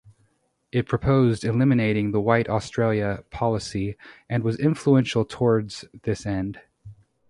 It proposed eliminating the White Australia policy, and was influential towards this end.